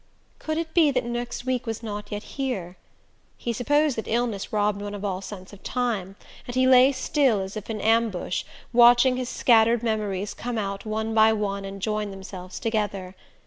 Could it be that next week was not yet here? He supposed that illness robbed one of all sense of time, and he lay still, as if in ambush, watching his scattered memories come out one by one and join themselves together.